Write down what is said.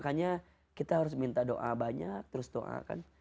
makanya kita harus minta doa banyak terus doakan